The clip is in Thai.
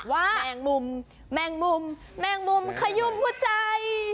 แมงมุมแมงมุมแมงมุมขยุ่มหัวใจ